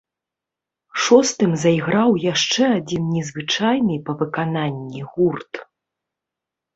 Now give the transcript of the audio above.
Шостым зайграў яшчэ адзін незвычайны па выкананні гурт.